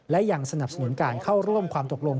และยังสนับสนุนการเข้าร่วมความตกลง